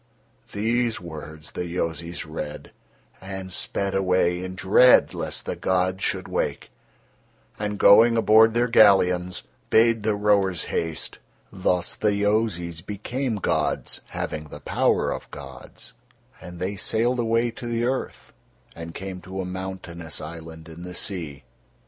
These words the Yozis read, and sped away in dread lest the gods should wake, and going aboard their galleons, bade the rowers haste. Thus the Yozis became gods, having the power of gods, and they sailed away to the earth, and came to a mountainous island in the sea.